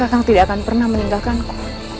kang tidak akan pernah meninggalkanku